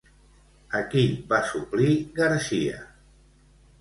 A qui va suplir García?